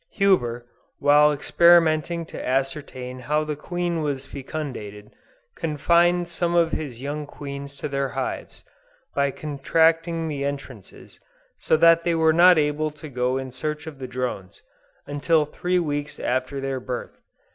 Huber, while experimenting to ascertain how the Queen was fecundated, confined some of his young Queens to their hives, by contracting the entrances, so that they were not able to go in search of the drones, until three weeks after their birth.